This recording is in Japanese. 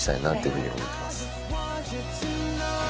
ふうに思ってます。